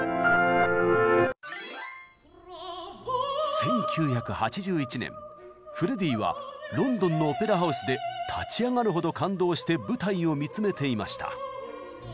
１９８１年フレディはロンドンのオペラ・ハウスで立ち上がるほど感動して舞台を見つめていました。